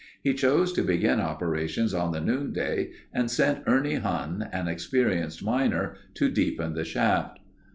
He chose to begin operations on the Noonday and sent Ernie Huhn, an experienced miner to deepen the shaft.